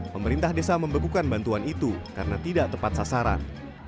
pemerintah desa membekukan bantuan itu karena tidak tepat sasaran